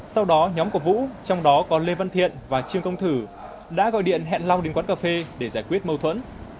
sau đó nhóm của vũ trong đó có lê văn thiện và trương công thử đã gọi điện hẹn long đến quán cà phê để giải quyết mâu thuẫn